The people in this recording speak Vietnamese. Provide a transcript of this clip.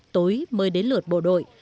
tối mới đến lượt bộ đội